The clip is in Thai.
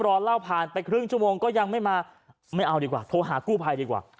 รอเล่าผ่านไปครึ่งชั่วโมงก็ยังไม่มาไม่เอาดีกว่าโทรหากู้ภัยดีกว่า